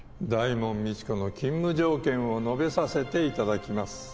大門未知子の勤務条件を述べさせて頂きます。